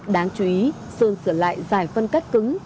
đáng chú ý sơn sửa lại giải phân cách cứng